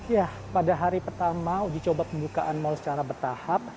ya pada hari pertama uji coba pembukaan mal secara bertahap